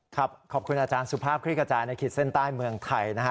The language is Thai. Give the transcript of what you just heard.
ขอบคุณอาจารย์สุภาพคลิกกระจายในขีดเส้นใต้เมืองไทยนะฮะ